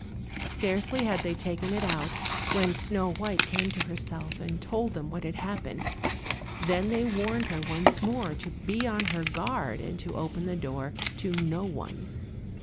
Scarcely had they taken it out when Snow white came to herself, and told them what had happened. Then they warned her once more to be upon her guard and to open the door to no one.